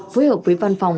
phối hợp với văn phòng